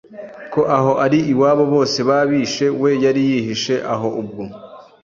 ko aho ari iwabo bose babishe we yari yihishe aho ubwo